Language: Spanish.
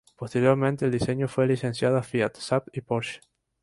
Posteriormente, el diseño fue licenciado a Fiat, Saab y Porsche.